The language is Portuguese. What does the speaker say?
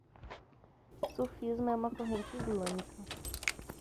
Sufismo é uma corrente islâmica